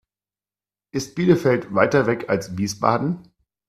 Ist Bielefeld weiter weg als Wiesbaden?